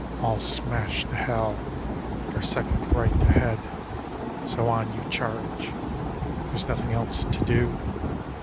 All smashed to hell. Their second right ahead, SO ON YOU CHARGE. There's nothing else to do.